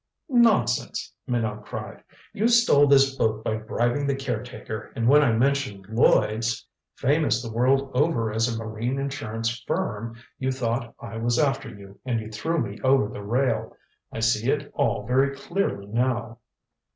"Nonsense," Minot cried. "You stole this boat by bribing the caretaker, and when I mentioned Lloyds, famous the world over as a marine insurance firm, you thought I was after you, and threw me over the rail. I see it all very clearly now."